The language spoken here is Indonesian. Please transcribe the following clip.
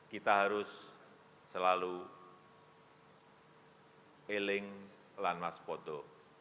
kita harus selalu piling lanmas foto